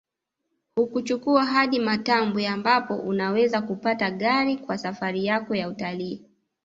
Hukuchukua hadi Matambwe ambapo unaweza kupata gari kwa safari yako ya utalii